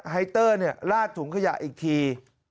ไฮเตอร์ลาดถุงขยะอีกที